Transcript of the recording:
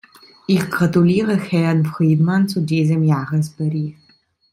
Ich gratuliere Herrn Friedmann zu diesem Jahresbericht.